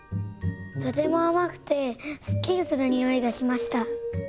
とてもあまくてすっきりするにおいがしました。